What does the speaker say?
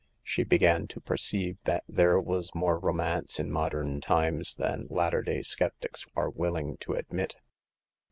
She began to perceive that there was more romance in modern times than latter day sceptics are willing to admit.